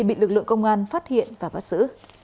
bị lực lượng công an phát hiện và bắt giữ